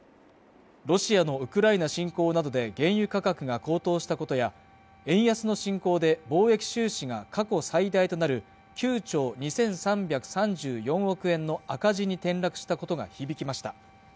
ロシアのウクライナ侵攻などで原油価格が高騰したことや円安の進行で貿易収支が過去最大となる９兆２３３４億円の赤字に転落したことが響きました